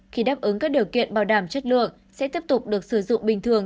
khi đáp ứng các điều kiện bảo đảm chất lượng sẽ tiếp tục được sử dụng bình thường